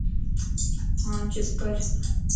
ھاڻ چپ ڪر